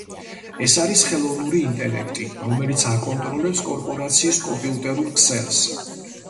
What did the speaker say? ეს არის ხელოვნური ინტელექტი, რომელიც აკონტროლებს კორპორაციის კომპიუტერულ ქსელს.